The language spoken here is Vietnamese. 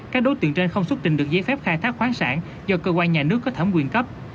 các đối tượng trên không xuất trình được giấy phép khai thác khoáng sản do cơ quan nhà nước có thẩm quyền cấp